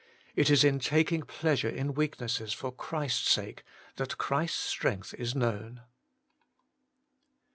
It is in taking pleasure in weaknesses for Christ's sake that Christ's strength is known.